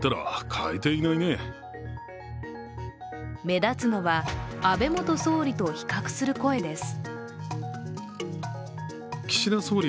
目立つのは安倍元総理と比較する声です。